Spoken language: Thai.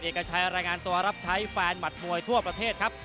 เอกชัยรายงานตัวรับใช้แฟนหมัดมวยทั่วประเทศครับ